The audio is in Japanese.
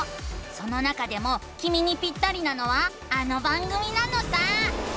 その中でもきみにピッタリなのはあの番組なのさ！